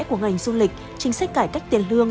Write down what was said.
của ngành du lịch chính sách cải cách tiền lương